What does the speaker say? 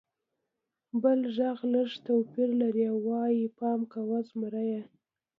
بل غږ لږ توپیر لري او وایي: «پام کوه! زمری!»